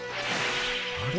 あれ？